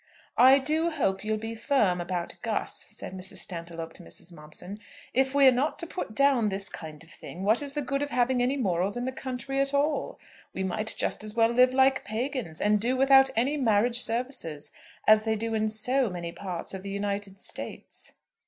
"I do hope you'll be firm about Gus," said Mrs. Stantiloup to Mrs. Momson. "If we're not to put down this kind of thing, what is the good of having any morals in the country at all? We might just as well live like pagans, and do without any marriage services, as they do in so many parts of the United States."